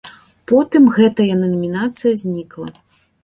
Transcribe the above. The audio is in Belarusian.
Потым гэтая намінацыя знікла.